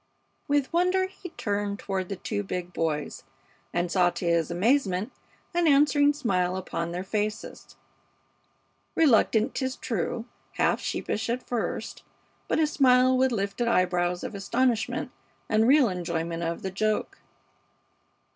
With wonder he turned toward the two big boys, and saw, to his amazement, an answering smile upon their faces; reluctant, 'tis true, half sheepish at first, but a smile with lifted eyebrows of astonishment and real enjoyment of the joke.